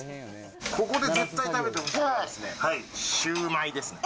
ここで絶対食べてほしいのがシューマイです。